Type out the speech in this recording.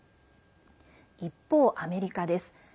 一方、アメリカです。